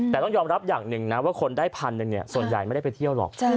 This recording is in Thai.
แต่ต้องยอมรับอย่างหนึ่งนะว่าคนได้พันหนึ่งส่วนใหญ่ไม่ได้ไปเที่ยวหรอก